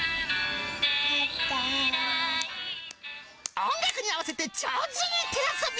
音楽に合わせて上手に手遊び。